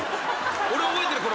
俺覚えてるこれ。